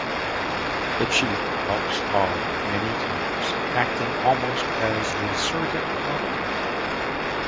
The Chief helps Odd many times, acting almost as a surrogate father.